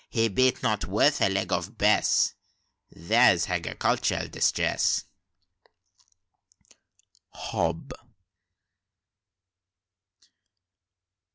He bean't not worth a leg o' Bess!' There's Hagricultural Distress!" HOB.